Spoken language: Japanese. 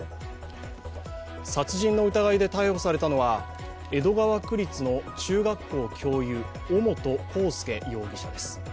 殺人の疑いで逮捕されたのは江戸川区立の中学校教諭尾本幸祐容疑者です。